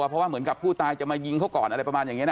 เพราะว่าเหมือนกับผู้ตายจะมายิงเขาก่อนอะไรประมาณอย่างนี้นะ